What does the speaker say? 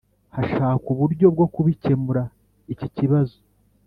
hashakwa uburyo bwo kubikemura iki kibazo